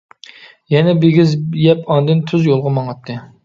يەنە بىگىز يەپ ئاندىن تۈز يولغا ماڭاتتى.